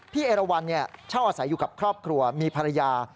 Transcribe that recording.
พี่เอลวันนกรรมเช่าอาศัยอยู่กับครอบครัวมีภรรยา